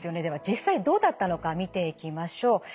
では実際にどうだったのか見ていきましょう。